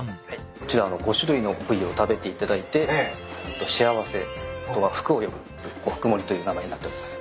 こちら５種類の部位を食べていただいて幸せ福を呼ぶ五福盛りという名前になっております。